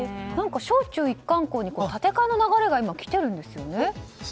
小中一貫校に建て替えの流れが今、来てるんですよね。